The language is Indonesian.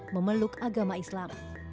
memeluk agama islam